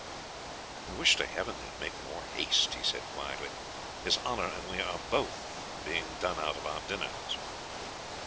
'I wish to heaven they'd make more haste,' he said quietly; 'his Honour and we are both being done out of our dinners.'